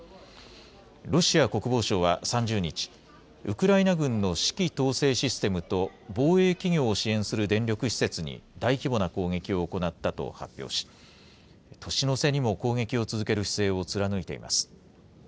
ロシア国防省は３０日、ウクライナ軍の指揮統制システムと防衛企業を支援する電力施設に大規模な攻撃を行ったと発表し、年の瀬にも攻撃を続ける姿勢を貫いています。